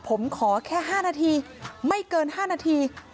ผมขอแค่๕นาทีไม่เกิน๕นาที